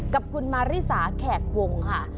กับคุณมาริสาแขกวงค่ะ